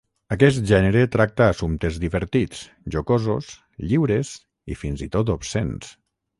Aquest gènere tracta assumptes divertits, jocosos, lliures i fins i tot obscens.